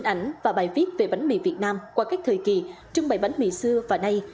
hình ảnh và bài viết về bánh mì việt nam qua các thời kỳ trưng bày bánh mì xưa và nay